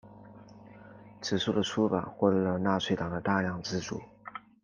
此书的出版获得了纳粹党的大量资助。